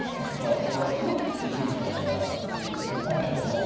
あとまあ取って銀とかもまあ上から行く手はまあ。